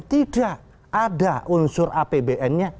tidak ada unsur apbn nya